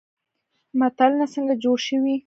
متلونه څنګه جوړ شوي؟